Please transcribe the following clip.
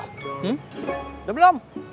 hmm udah belom